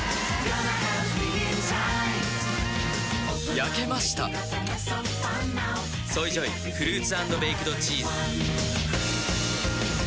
焼けました「ＳＯＹＪＯＹフルーツ＆ベイクドチーズ」